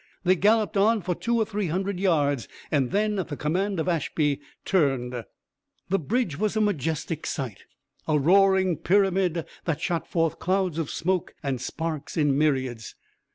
They galloped on for two or three hundred yards, and then at the command of Ashby turned. The bridge was a majestic sight, a roaring pyramid that shot forth clouds of smoke and sparks in myriads.